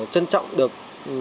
trân trọng được